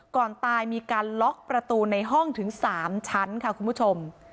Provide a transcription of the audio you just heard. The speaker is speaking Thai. ก่อนตายมีการล็อกประตูในห้องถึง๓ชั้นค่ะคุณผู้ชม